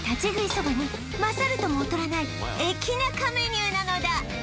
そばに勝るとも劣らない駅ナカメニューなのだ！